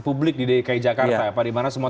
publik di dki jakarta dimana semua